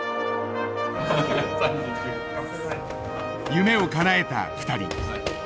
夢をかなえた２人。